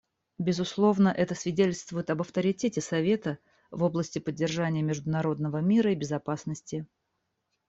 Безусловно, это свидетельствует об авторитете Совета в области поддержания международного мира и безопасности.